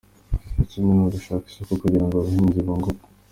Ikindi ni ugushaka isoko kugirango abahinzi bunguke.